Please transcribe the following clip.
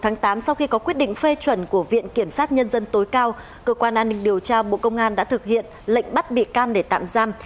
ngày tám sau khi có quyết định phê chuẩn của viện kiểm sát nhân dân tối cao cơ quan an ninh điều tra bộ công an đã thực hiện lệnh bắt bị can để tạm giam